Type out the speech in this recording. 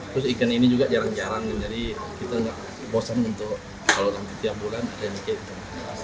terus ikan ini juga jarang jarang jadi kita tidak bosan untuk kalau nanti tiap bulan ada yang bikin ikan